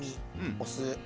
お酢。